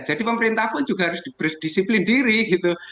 jadi pemerintah pun juga harus berdisiplin diri gitu